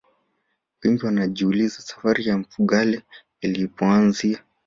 wengi wanajiuliza safari ya mfugale ilipoanzia